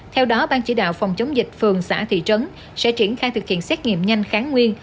theo đó ban chỉ đạo phòng chống dịch phường xã thị trấn sẽ triển khai thực hiện xét nghiệm nhanh kháng nguyên